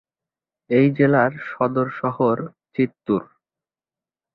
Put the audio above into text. এই জেলার সদর শহর চিত্তুর।